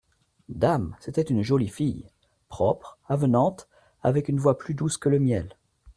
Dame ! c'était une jolie fille, propre, avenante, avec une voix plus douce que le miel.